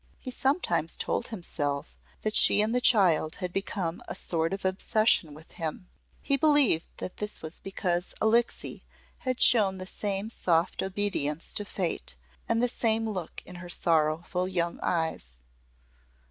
He sometimes told himself that she and the child had become a sort of obsession with him. He believed that this was because Alixe had shown the same soft obedience to fate, and the same look in her sorrowful young eyes.